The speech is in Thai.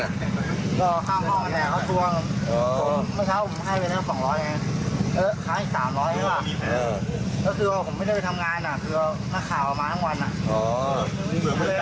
ไม่เหมือนกัน